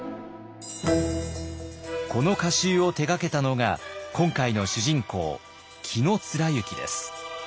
この歌集を手がけたのが今回の主人公紀貫之です。